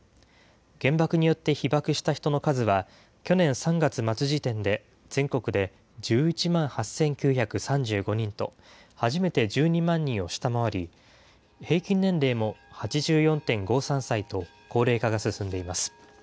原爆によって被爆した人の数は、去年３月末時点で、全国で１１万８９３５人と、初めて１２万人を下回り、平均年齢も８４．５３歳と、高齢化が進んでいます。